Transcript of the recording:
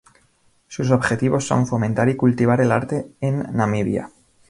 Sus objetivos son fomentar y cultivar el arte en Namibia.